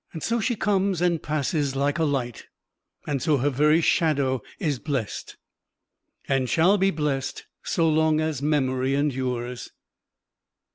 So she comes and passes, like a light; and so her very shadow is blessed, and shall be blessed so long as memory endures.